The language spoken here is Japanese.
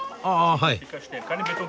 はい。